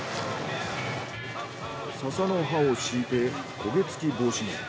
笹の葉を敷いて焦げ付き防止に。